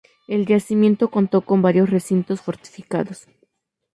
El yacimiento contó con varios recintos fortificados.